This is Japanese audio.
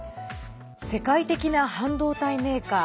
世界的な半導体メーカー